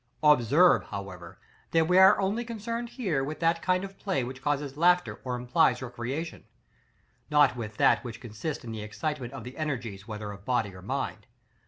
§ XXV. Observe, however, that we are only concerned, here, with that kind of play which causes laughter or implies recreation, not with that which consists in the excitement of the energies whether of body or mind.